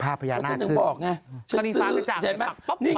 ภาพพระยาหน้าขึ้น